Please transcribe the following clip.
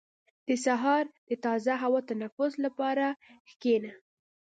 • د سهار د تازه هوا تنفس لپاره کښېنه.